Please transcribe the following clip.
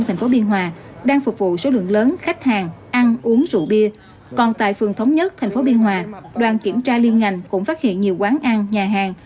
trong các khu vực thành phố biên hòa đoàn kiểm tra liên ngành cũng phát hiện nhiều quán ăn nhà hàng